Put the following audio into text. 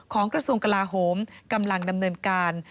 กระทรวงกลาโหมกำลังดำเนินการ